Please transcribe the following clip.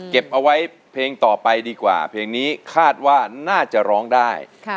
เก็บเอาไว้เพลงต่อไปดีกว่าเพลงนี้คาดว่าน่าจะร้องได้